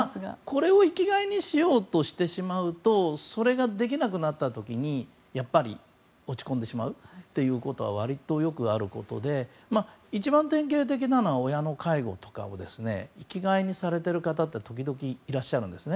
これを生きがいにしようとしてしまうとそれができなくなった時に落ち込んでしまうということは割とよくあることで一番典型的なのは親の介護とかを生きがいにされている方って時々いらっしゃるんです。